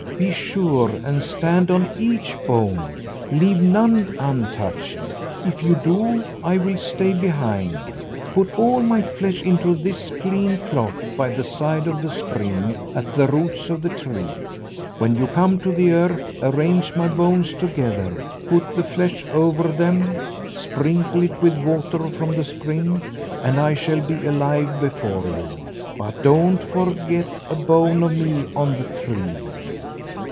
Be sure and stand on each bone, leave none untouched; if you do, it will stay behind. Put all my flesh into this clean cloth by the side of the spring at the roots of the tree. When you come to the earth, arrange my bones together, put the flesh over them, sprinkle it with water from the spring, and I shall be alive before you. But don't forget a bone of me on the tree."